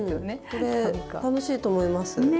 これ楽しいと思います。ね！